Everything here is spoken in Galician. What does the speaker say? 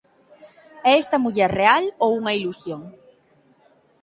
É esta muller real ou unha ilusión?